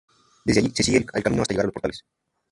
Desde ahí, se sigue el camino hasta llegar a Los portales.